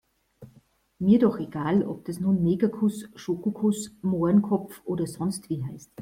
Mir doch egal, ob das nun Negerkuss, Schokokuss, Mohrenkopf oder sonstwie heißt.